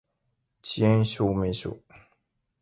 遅延証明書